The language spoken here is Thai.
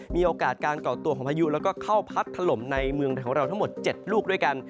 มีโอกาสการก่อตัวของพายุแล้วก็เข้าพัดถล่มในเมืองของเราทั้งหมด๗ลูกด้วยกัน